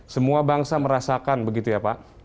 semua bangsa merasakan begitu ya pak